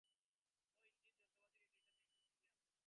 ও engine, যন্ত্রপাতি, radio ইত্যাদিতে একজন জিনিয়াস।